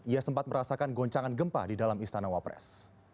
ia sempat merasakan goncangan gempa di dalam istana wapres